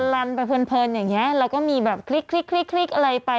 ลันไปเพลินอย่างนี้แล้วก็มีแบบคลิกอะไรไป